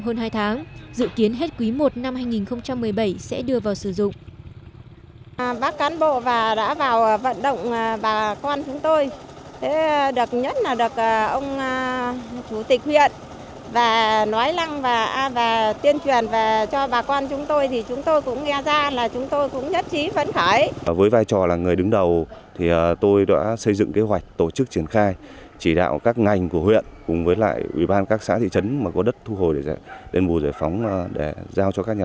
hơn hai tháng dự kiến hết quý i năm hai nghìn một mươi bảy sẽ đưa vào sử dụng